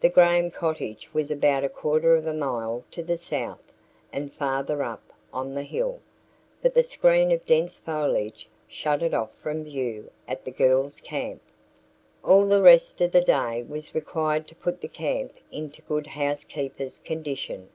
The Graham cottage was about a quarter of a mile to the south and farther up on the hill, but the screen of dense foliage shut it off from view at the girls' camp. All the rest of the day was required to put the camp into good housekeeper's condition.